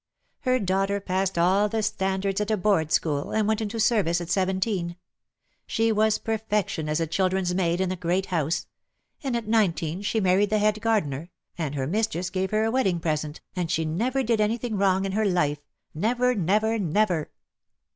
Her daughter passed all the standards at a Board School, and went into service at seven teen. She was perfection as a children's maid in a great house; and at nineteen she married the head gardener, and her mistress gave her a wedding present, and she never did anything wrong in her life, never, never, never!"